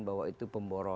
bahwa itu berarti